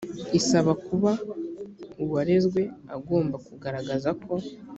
isaba kuba uwarezwe agomba kugaragaza ko